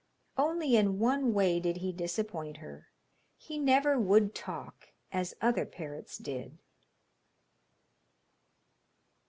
Only in one way did he disappoint her he never would talk as other parrots did.